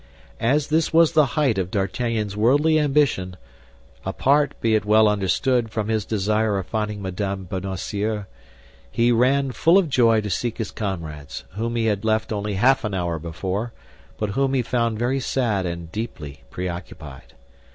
As this was the height of D'Artagnan's worldly ambition—apart, be it well understood, from his desire of finding Mme. Bonacieux—he ran, full of joy, to seek his comrades, whom he had left only half an hour before, but whom he found very sad and deeply preoccupied.